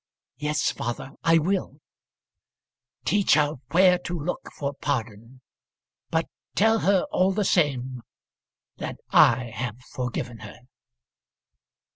"Yes, father, I will." "Teach her where to look for pardon. But tell her all the same that I have forgiven her."